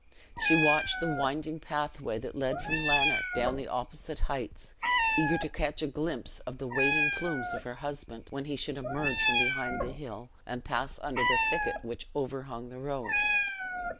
She watched the winding pathway that led from Lanark down the opposite heights, eager to catch a glimpse of the waving plumes of her husband when he should emerge from behind the hill, and pass under the thicket which overhung the road.